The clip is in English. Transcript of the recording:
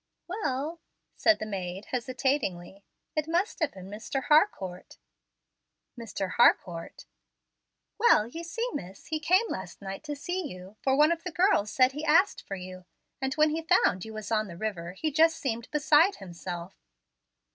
"Well," said the maid, hesitatingly, "it must have been Mr. Harcourt." "Mr. Harcourt!" "Well, you see, miss, he came last night to see you, for one of the girls said he asked for you, and when he found you was out on the river he just seemed beside himself.